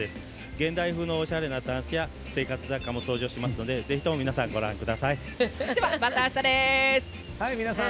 現代風のおしゃれなたんすや生活雑貨も登場しますのでぜひとも皆さんご覧ください。